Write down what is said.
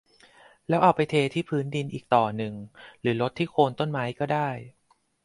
แล้วเอาไปเทที่พื้นดินอีกต่อหนึ่งหรือรดที่โคนต้นไม้ก็ได้